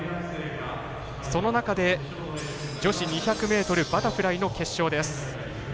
その中で、女子２００ｍバタフライの決勝です。